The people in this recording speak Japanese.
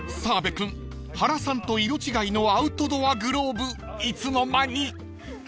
［澤部君原さんと色違いのアウトドアグローブいつの間に］